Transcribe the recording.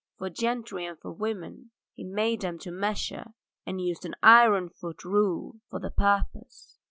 For gentry and for women he made them to measure, and used an iron foot rule for the purpose.